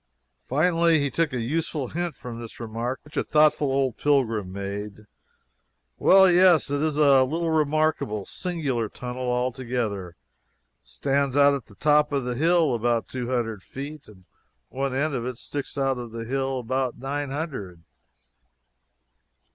Finally, he took a useful hint from this remark, which a thoughtful old pilgrim made: "Well, yes, it is a little remarkable singular tunnel altogether stands up out of the top of the hill about two hundred feet, and one end of it sticks out of the hill about nine hundred!"